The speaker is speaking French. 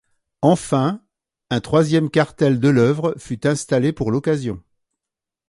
Enfin un troisième cartel de l’œuvre fut installé pour l’occasion.